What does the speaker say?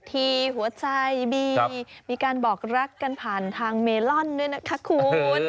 หัวใจบีมีการบอกรักกันผ่านทางเมลอนด้วยนะคะคุณ